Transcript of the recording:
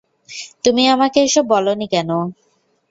তুমি আমাকে এসব বলোনি কেন?